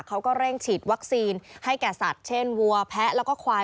เขาก็เร่งฉีดวัคซีนให้แก่สัตว์เช่นวัวแพะแล้วก็ควาย